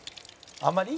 あんまり？